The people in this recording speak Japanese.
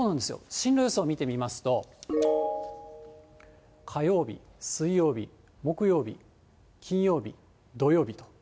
進路予想を見てみますと、火曜日、水曜日、木曜日、金曜日、土曜日と。